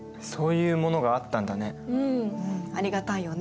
うんありがたいよね。